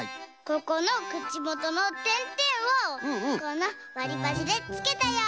ここのくちもとのてんてんをこのわりばしでつけたよ。